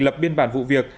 lập biên bản vụ việc